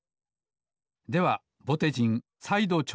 ではぼてじんさいどちょうせんです！